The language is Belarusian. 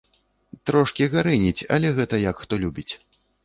Трошкі гарэніць, але гэта як хто любіць.